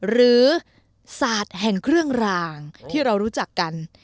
ศาสตร์แห่งเครื่องรางที่เรารู้จักกัน